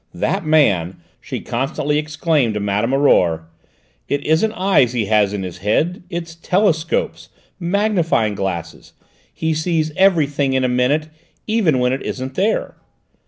"That man," she constantly declared to Madame Aurore, "it isn't eyes he has in his head, it's telescopes, magnifying glasses! He sees everything in a minute even when it isn't there!"